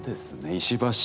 石橋